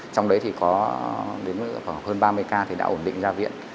trong đấy thì có đến khoảng hơn ba mươi ca thì đã ổn định ra viện